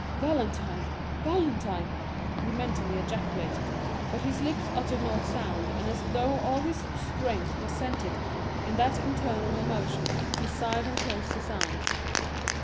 "Valentine, Valentine!" he mentally ejaculated; but his lips uttered no sound, and as though all his strength were centred in that internal emotion, he sighed and closed his eyes.